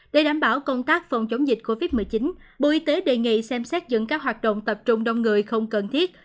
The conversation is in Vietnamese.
để đảm bảo công tác phòng chống dịch covid một mươi chín bộ y tế đề nghị xem xét dừng các hoạt động tập trung đông người không cần thiết